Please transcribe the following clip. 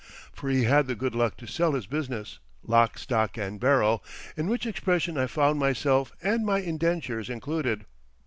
For he had the good luck to sell his business, "lock, stock, and barrel"—in which expression I found myself and my indentures included.